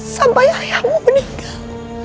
sampai ayahmu meninggal